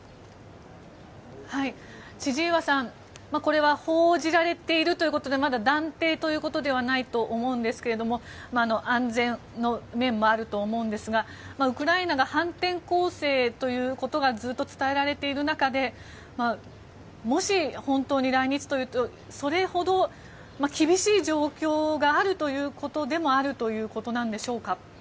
千々岩さん、これは報じられているということでまだ断定ということではないと思うんですが安全の面もあると思うんですがウクライナが反転攻勢ということが、ずっと伝えられている中でもし、本当に来日というとそれほど厳しい状況があるということでもあるということなんでしょうか。